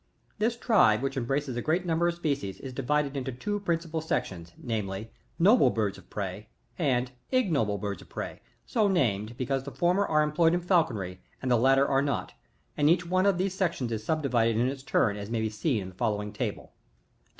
31. This tribe, which embraces a great number of species, is divided into two principal sections, namely : Noble birds of Prey, and Ignoble birds of Prey, so named, because the former are employed in falconry, and the latter are not ; and each one of these sections is sub divided in its turn, as may be seen in the following table : 28.